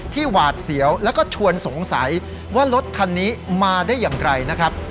หวาดเสียวแล้วก็ชวนสงสัยว่ารถคันนี้มาได้อย่างไรนะครับ